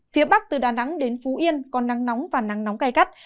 phía bắc từ đà nẵng đến phú yên có nắng nóng và nắng nóng gai gắt